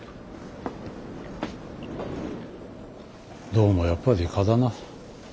どうもやっぱり蚊だな。